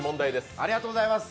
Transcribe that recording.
ありがとうございます。